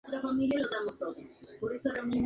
Dinamo Kiev ganó el campeonato.